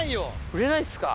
売れないですか。